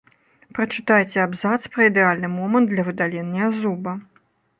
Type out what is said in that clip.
Перачытайце абзац пра ідэальны момант для выдалення зуба.